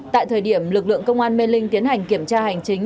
tại thời điểm lực lượng công an mê linh tiến hành kiểm tra hành chính